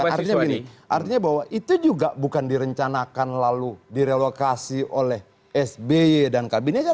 artinya begini artinya bahwa itu juga bukan direncanakan lalu direlokasi oleh sby dan kabinetnya